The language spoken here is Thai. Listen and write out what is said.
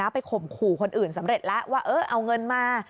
ข่มขู่คนอื่นสำเร็จแล้วว่าเอาเงินมา